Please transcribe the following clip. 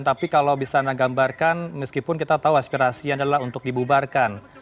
tapi kalau bisa anda gambarkan meskipun kita tahu aspirasi adalah untuk dibubarkan